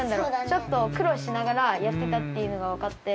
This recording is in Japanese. ちょっとくろうしながらやってたっていうのがわかって。